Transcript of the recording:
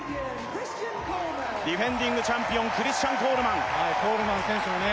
ディフェンディングチャンピオンクリスチャン・コールマンはいコールマン選手もね